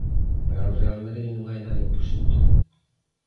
Para o Real Madrid non hai nada imposible.